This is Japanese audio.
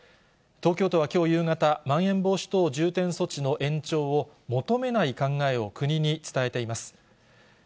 東京都はきょう夕方、まん延防止等重点措置の延長を求めない考えを国に伝えています。